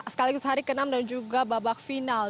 sekaligus hari ke enam dan juga babak final